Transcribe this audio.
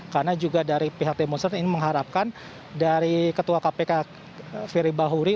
karena juga dari pihak demonstran ini mengharapkan dari ketua kpk ferry bahuri